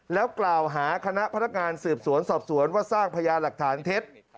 แล้วกล่าวหาคณะพนักงานสืบสวนสอบสวนว่าสร้างพยานหลักฐานเท็จ